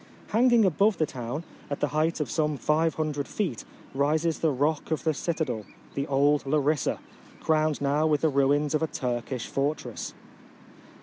Hang ing above the town, at the height of some 500 feet, rises the rock of the citadel — the old Larissa — crowned now with the ruins of a Turkish fortress.